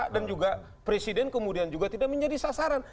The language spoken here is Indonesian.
dan juga presiden kemudian juga tidak menjadi sasaran